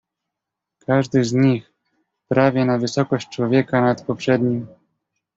"Każdy z nich prawie na wysokość człowieka nad poprzednim."